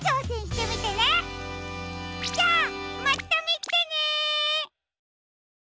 じゃあまたみてね！